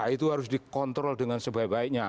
itu harus dikontrol dengan sebaik baiknya